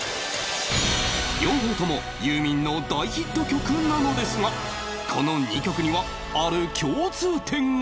両方ともユーミンの大ヒット曲なのですがこの２曲にはある共通点が！